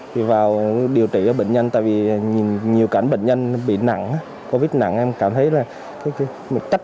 thì vào điều trị bệnh nhân tại vì nhiều cảnh bệnh nhân bị nặng covid nặng em cảm thấy là cái trách